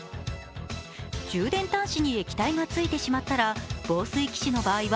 充電端子に液体がついてしまったら、防水機種の場合は、